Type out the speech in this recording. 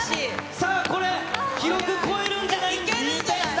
さあ、これ、記録超えるんじゃないですか。